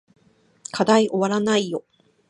課題おわらないよ